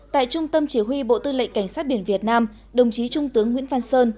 tại trung tâm chỉ huy bộ tư lệnh cảnh sát biển việt nam đồng chí trung tướng nguyễn văn sơn